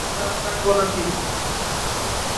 Doctor ডাকবো নাকি?